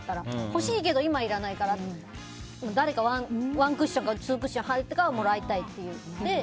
欲しいけど今いらないからでも誰かワンクッションツークッション入ってからもらいたいっていう。